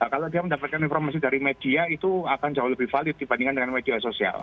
kalau dia mendapatkan informasi dari media itu akan jauh lebih valid dibandingkan dengan media sosial